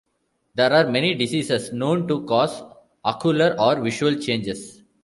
There are many diseases known to cause ocular or visual changes.